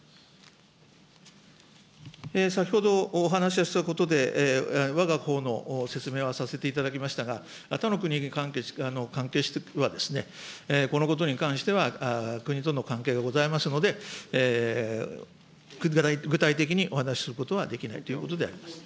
先ほど、お話ししたことで、わがほうの説明はさせていただきましたが、他の国に関係しては、このことに関しては、国との関係がございますので、具体的にお話しすることはできないということであります。